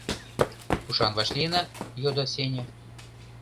— Кушан вашлийына? — йодо Сеня.